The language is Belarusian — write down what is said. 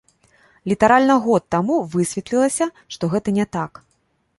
Літаральна год таму высветлілася, што гэта не так.